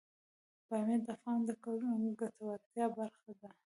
بامیان د افغانانو د ګټورتیا برخه ده.